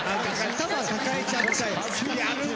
頭抱えちゃったよ。